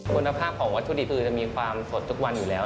คุณภาพของวัตถุดิบคือจะมีความสดทุกวันอยู่แล้ว